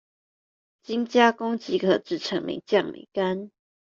再經加工即可製成梅醬、梅乾